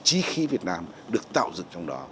trí khí việt nam được tạo dựng trong đó